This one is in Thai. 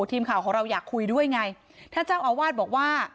ทีมข่าวของเราอยากคุยด้วยไงท่านเจ้าอาวาสบอกว่า